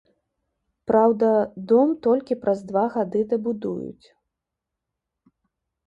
Праўда, дом толькі праз два гады дабудуюць.